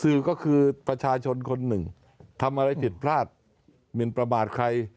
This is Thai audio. สื่อก็คือประชาชนคนหนึ่งทำอะไรผิดพลาดหมินประมาทใคร